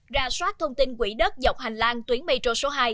ra soát thông tin quỹ đất dọc hành lang tuyến metro số hai